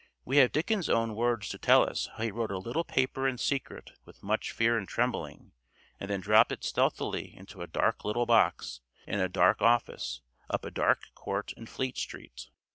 We have Dickens' own words to tell us how he wrote a little paper in secret with much fear and trembling, and then dropped it stealthily into "a dark little box, in a dark office, up a dark court in Fleet Street."